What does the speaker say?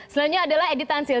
selainnya adalah edi tansil